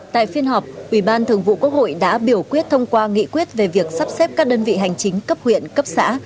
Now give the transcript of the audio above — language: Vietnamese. tại phiên họp ủy ban thường vụ quốc hội đã biểu quyết thông qua nghị quyết về việc sắp xếp các đơn vị hành chính cấp huyện cấp xã